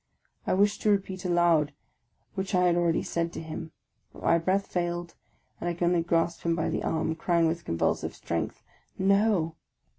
I wished to repeat aloud which I had already said to him, but my breath failed, and I could only grasp him by the arm, crying with convulsive strength, « No